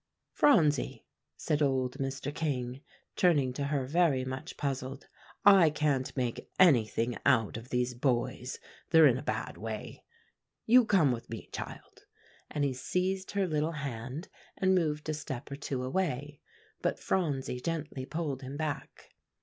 "Phronsie," said old Mr. King, turning to her very much puzzled, "I can't make anything out of these boys; they're in a bad way. You come with me, child;" and he seized her little hand, and moved a step or two away. But Phronsie gently pulled him back.